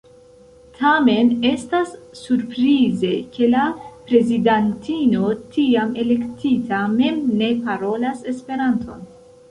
Tamen, estas surprize ke la prezidantino tiam elektita mem ne parolas Esperanton.